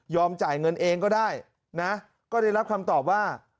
จ่ายเงินเองก็ได้นะก็ได้รับคำตอบว่า